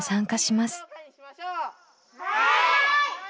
はい！